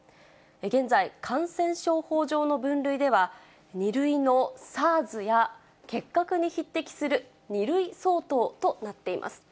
現在、感染症法上の分類では、２類のＳＡＲＳや結核に匹敵する、２類相当となっています。